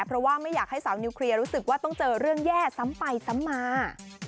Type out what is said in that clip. เพราะว่าไม่อยากให้สาวนิวเคลียร์รู้สึกว่าต้องเจอเรื่องแย่ซ้ำไปซ้ำมา